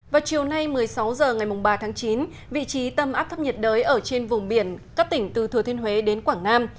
vào chiều nay một mươi sáu h ngày ba tháng chín vị trí tâm áp thấp nhiệt đới ở trên vùng biển các tỉnh từ thừa thiên huế đến quảng nam